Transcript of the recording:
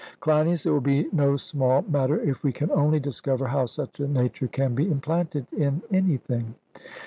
CLEINIAS: It will be no small matter if we can only discover how such a nature can be implanted in anything.